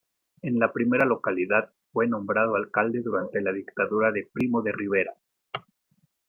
En la primera localidad fue nombrado alcalde durante la Dictadura de Primo de Rivera.